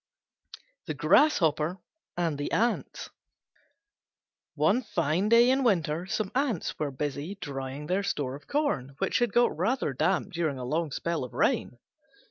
THE GRASSHOPPER AND THE ANTS One fine day in winter some Ants were busy drying their store of corn, which had got rather damp during a long spell of rain.